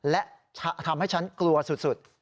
และทำให้ฉันกลัวสุด